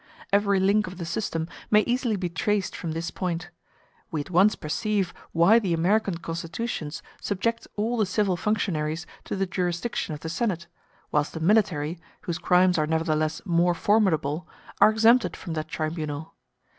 Every link of the system may easily be traced from this point; we at once perceive why the American constitutions subject all the civil functionaries to the jurisdiction of the Senate, whilst the military, whose crimes are nevertheless more formidable, are exempted from that tribunal.